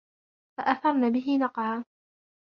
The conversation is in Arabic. فأثرن به نقعا